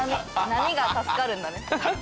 波が助かるんだね。